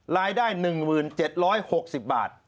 รายได้๑๗๖๐บาท